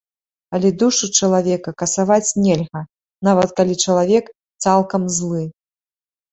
Але душу чалавека касаваць нельга, нават калі чалавек цалкам злы.